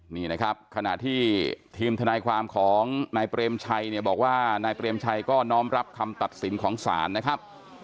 นี่นะครับขณะที่ทีมทนายความของนายเปรมชัยเนี่ยบอกว่านายเปรมชัยก็น้อมรับคำตัดสินของศาลนะครับ